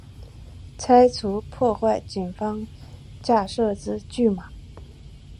拆除破坏警方架设之拒马